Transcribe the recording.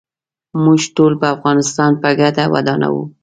موږ ټول به افغانستان په ګډه ودانوو.